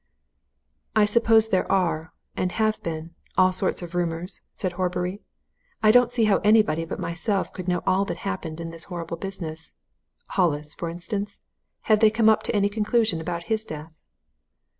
"I suppose there are and have been all sorts of rumours?" said Horbury. "I don't see how anybody but myself could know all that happened in this horrible business. Hollis, for instance? have they come to any conclusion about his death?"